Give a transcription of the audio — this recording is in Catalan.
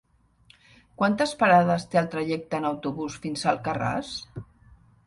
Quantes parades té el trajecte en autobús fins a Alcarràs?